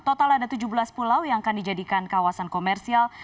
total ada tujuh belas pulau yang akan dijadikan kawasan komersial